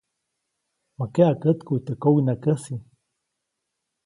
Ma keʼa kätkuʼy teʼ kowiʼnakäjsi.